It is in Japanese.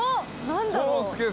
何だろう。